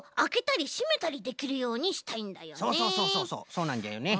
そうなんじゃよね。